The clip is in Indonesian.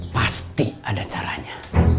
pasti ada caranya